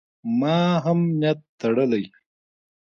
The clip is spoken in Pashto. ما هم نیت تړلی.